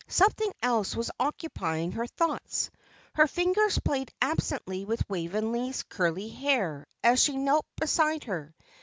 Something else was occupying her thoughts. Her fingers played absently with Waveney's curly hair as she knelt beside her.